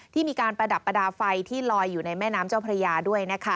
ที่มีการประดับประดาษไฟที่ลอยอยู่ในแม่น้ำเจ้าพระยาด้วยนะคะ